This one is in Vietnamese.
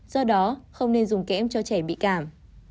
do đó không nên dùng kẽm cho trẻ bị cảm